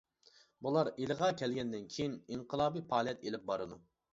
بۇلار ئىلىغا كەلگەندىن كېيىن، ئىنقىلابىي پائالىيەت ئېلىپ بارىدۇ.